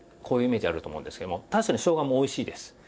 こういうイメージあると思うんですけども確かにしょうがもおいしいです。